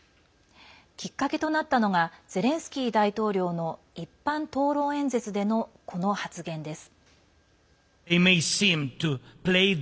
きっかけとなったのがゼレンスキー大統領の一般討論演説での、この発言です。